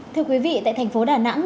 thưa quý vị tại thành phố đà nẵng